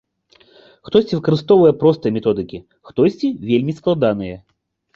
Хтосьці выкарыстоўвае простыя методыкі, хтосьці вельмі складаныя.